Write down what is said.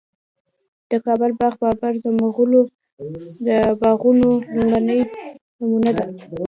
د کابل باغ بابر د مغلو د باغونو لومړنی نمونه ده